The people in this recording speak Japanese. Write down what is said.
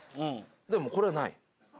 でもこれはない。